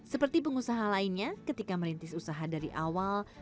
seperti pengusaha lainnya ketika merintis usaha dari awal